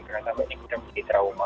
karena sampai ini kita menjadi trauma